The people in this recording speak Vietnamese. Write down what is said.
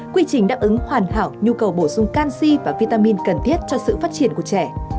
quy trình đáp ứng hoàn hảo nhu cầu bổ sung canxi và vitamin cần thiết cho sự phát triển của trẻ